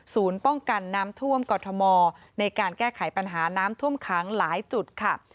ป้องกันน้ำท่วมกรทมในการแก้ไขปัญหาน้ำท่วมขังหลายจุดค่ะ